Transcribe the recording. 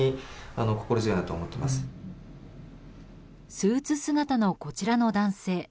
スーツ姿のこちらの男性。